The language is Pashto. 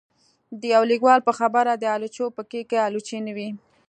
د يو ليکوال په خبره د آلوچو په کېک کې آلوچې نه وې